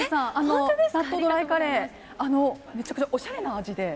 納豆ドライカレー、めちゃくちゃおしゃれな味で。